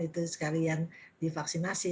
itu sekalian divaksinasi